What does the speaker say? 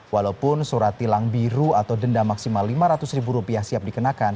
walaupun surat tilang biru atau denda maksimal lima ratus ribu rupiah siap dikenakan